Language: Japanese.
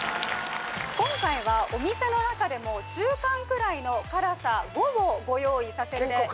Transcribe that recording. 今回はお店の中でも中間くらいの辛さ５をご用意させていただきました